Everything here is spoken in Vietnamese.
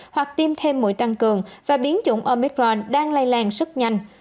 hoặc tiêm thêm mũi tăng cường và biến chủng omicron đang lây lan rất nhanh